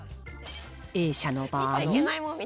Ａ社の場合。